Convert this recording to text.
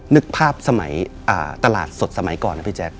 นึกภาพสมัยตลาดสดสมัยก่อนนะพี่แจ๊ค